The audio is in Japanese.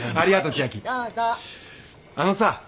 あのさ。